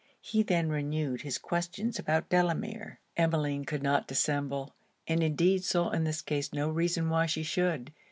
He then renewed his questions about Delamere. Emmeline could not dissemble; and indeed saw in this case no reason why she should.